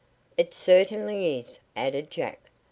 "It certainly is," added Jack.